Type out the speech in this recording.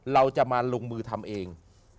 เราจะมาลงมือทำเอง